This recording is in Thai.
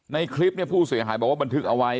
ในคลิปเนี่ยผู้เสียหายบอกว่าบันทึกเอาไว้